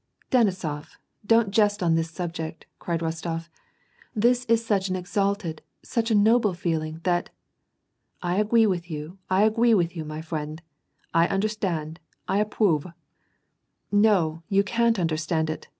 " Denisof ! Dou't jest on this subject !" cried Kostof ." This is such an exalted, such a noble feeling, that "—" I agwee with you, I agwee with you, my fwiend, I under stand, I appwove "— "No, you can't understand it